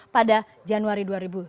pada januari dua ribu tujuh belas